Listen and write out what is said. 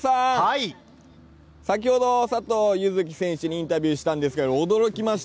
先ほど佐藤柚月選手にインタビューしたんですけれども驚きました。